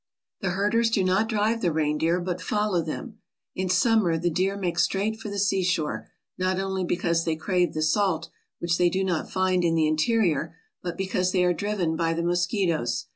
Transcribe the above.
The herders do not drive the reindeer but follow them. In summer the deer make straight for the seashore, not only because they crave the salt, which they do not find in the interior, but because they are driven by the mosqui toes.